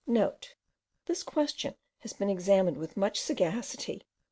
*(* This question has been examined with much sagacity by M.